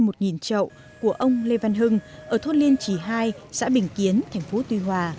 một trậu của ông lê văn hưng ở thôn liên trì hai xã bình kiến thành phố tuy hòa